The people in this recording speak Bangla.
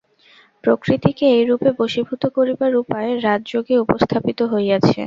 প্রকৃতিকে এইরূপে বশীভূত করিবার উপায় রাজযোগে উপস্থাপিত হইয়াছে।